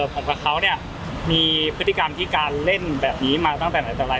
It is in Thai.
ผมกับเขาเนี่ยมีพฤติกรรมที่การเล่นแบบนี้มาตั้งแต่ไหนแต่ไร